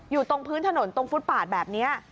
อยู่ตรงพื้นถนนตรงฟุตปาดแบบนี้